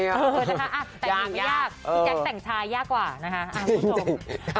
แต่งหญิงไม่ยากแจ๊คแต่งชายยากกว่านะคะ